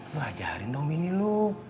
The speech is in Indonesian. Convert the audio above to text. lu ajarin dong ini lu